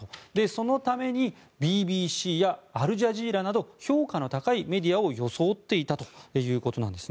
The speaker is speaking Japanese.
そのためにＢＢＣやアルジャジーラなど評価の高いメディアを装っていたということなんです。